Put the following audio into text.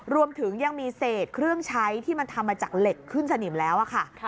รวมถึงยังมีเศษเครื่องใช้ที่มันทำมาจากเหล็กขึ้นสนิมแล้วค่ะ